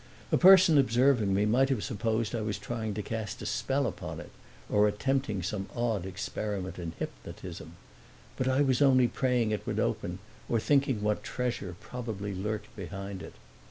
A person observing me might have supposed I was trying to cast a spell upon it or attempting some odd experiment in hypnotism. But I was only praying it would open or thinking what treasure probably lurked behind it.